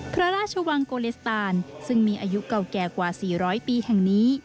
พระราชวังโกเลสตานซึ่งมีอายุเก่าแก่กว่า๔๐๐ปีแห่งนี้